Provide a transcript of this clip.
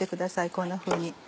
こんなふうに。